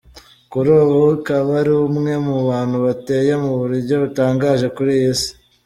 Kuri ubu kaba ari umwe mu bantu bateye mu buryo butangaje kuri iyi ‘isi.